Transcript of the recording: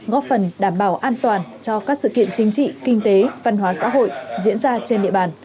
góp phần đảm bảo an toàn cho các sự kiện chính trị kinh tế văn hóa xã hội diễn ra trên địa bàn